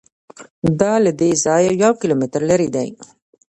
دا له دې ځایه یو کیلومتر لرې دی.